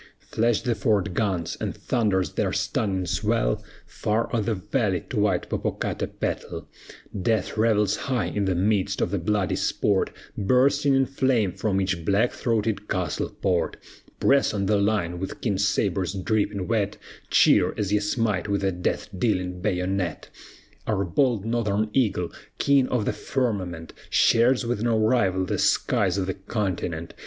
Flash the fort guns, and thunders their stunning swell Far o'er the valley to white Popocatapetl, Death revels high in the midst of the bloody sport, Bursting in flame from each black throated castle port, Press on the line with keen sabres dripping wet, Cheer, as ye smite with the death dealing bayonet! Our bold Northern eagle, king of the firmament, Shares with no rival the skies of the continent.